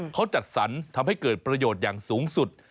เขาจัดสรรทำให้เกิดประโยชน์อย่างสูงสุด